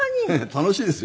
楽しいですよ。